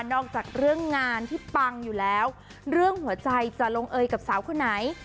อกจากเรื่องงานที่ปังอยู่แล้วเรื่องหัวใจจะลงเอยกับสาวคนไหน